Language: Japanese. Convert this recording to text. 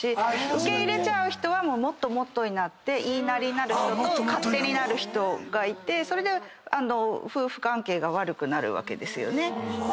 受け入れちゃう人はもっともっとになって言いなりになる人と勝手になる人がいてそれで夫婦関係が悪くなるわけですよね。